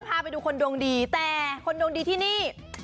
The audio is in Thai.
พาไปดูคนดวงดีแต่คนดวงดีที่นี่